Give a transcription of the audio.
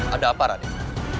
ada apa radyat